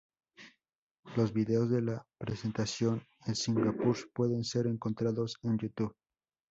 Los vídeos de la presentación en Singapur pueden ser encontrados en YouTube.